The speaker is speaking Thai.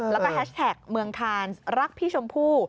แล้วก็แฮชแท็กเมืองคานรักพี่ชมพู่